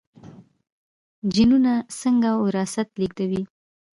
جینونه څنګه وراثت لیږدوي؟